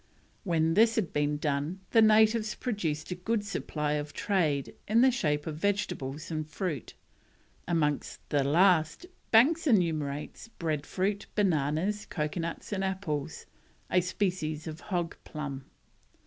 When this had been done the natives produced a good supply of trade in the shape of vegetables and fruit; amongst the last Banks enumerates bread fruit, bananas, coconuts, and apples (a species of hog plum).